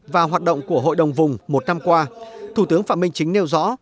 và hoạt động của hội đồng vùng một năm qua thủ tướng phạm minh chính nêu rõ